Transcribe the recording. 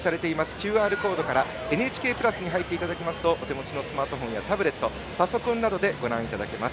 ＱＲコードから「ＮＨＫプラス」に入っていただけますとお手持ちのスマートフォンやタブレットパソコンなどでご覧いただけます。